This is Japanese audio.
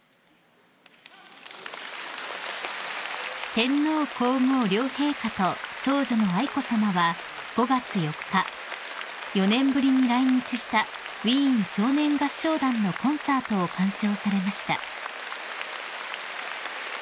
［天皇皇后両陛下と長女の愛子さまは５月４日４年ぶりに来日したウィーン少年合唱団のコンサートを鑑賞されました］